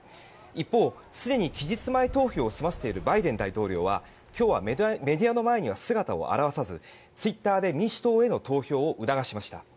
一方、すでに期日前投票を済ませているバイデン大統領は今日はメディアの前には姿を現さずツイッターで民主党への投票を促しました。